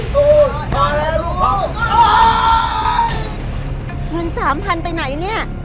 เกมรับทำนำ